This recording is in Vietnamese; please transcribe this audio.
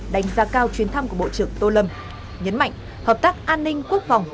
đánh giá cao chuyến thăm của bộ trưởng tô lâm nhấn mạnh hợp tác an ninh quốc phòng